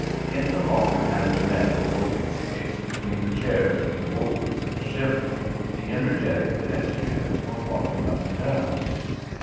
In the long and narrow open space between the chairs and the bulwarks of the ship, the energetic pedestrians were walking up and down.